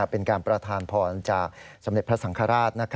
เป็นการประทานพรจากสมเด็จพระสังฆราช